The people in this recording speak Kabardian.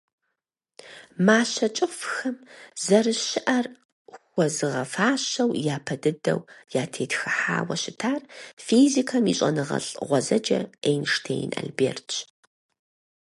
Мащэ кӀыфӀхэм, зэрыщыӀэр хуэзыгъэфащэу, япэ дыдэу ятетхыхьауэ щытар физикэм и щӀэныгъэлӀ гъуэзэджэ Эйнштейн Альбертщ.